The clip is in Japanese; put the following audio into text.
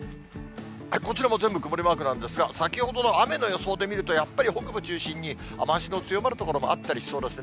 こちらも全部曇りマークなんですが、先ほどの雨の予想で見ると、やっぱり北部中心に、雨足の強まる所もあったりしそうです。